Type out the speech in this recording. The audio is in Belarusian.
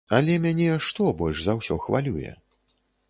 Але мяне што больш за ўсё хвалюе?